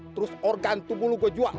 terus organ tubuh lo gue jual